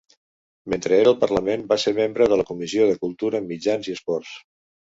Mentre era al Parlament, va ser membre de la comissió de Cultura, Mitjans i Esports.